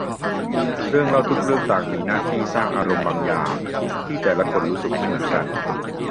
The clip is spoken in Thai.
เรื่องเล่าทุกเรื่องต่างก็มีหน้าที่สร้างอารมณ์บางอย่าง ที่แต่ละคนรู้สึกไม่เหมือนกัน